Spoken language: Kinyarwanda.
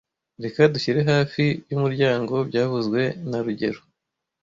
Reka dushyire hafi yumuryango byavuzwe na rugero